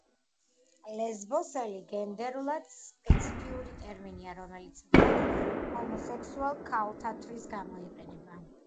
ლესბოსელი გენდერულად სპეციფიკური ტერმინია, რომელიც მხოლოდ ჰომოსექსუალ ქალთათვის გამოიყენება.